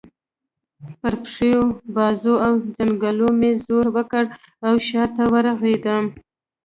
پر پښو، بازو او څنګلو مې زور وکړ او شا ته ورغړېدم.